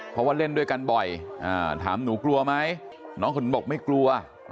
เพราะว่าเล่นด้วยกันบ่อยถามหนูกลัวไหมน้องคนนู้นบอกไม่กลัว